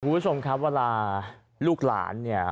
คุณผู้ชมครับเวลาลูกหลานเนี่ย